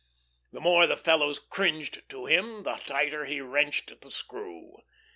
The more the fellows cringed to him, the tighter he wrenched the screw.